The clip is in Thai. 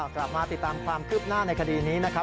กลับมาติดตามความคืบหน้าในคดีนี้นะครับ